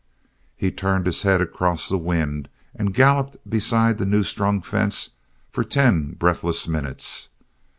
He turned his head across the wind and galloped beside the new strung fence for ten breathless minutes.